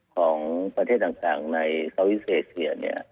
ของประเทศต่างในเซาซิสเฮเซียเนี่ย